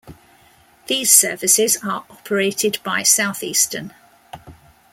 These services are operated by Southeastern.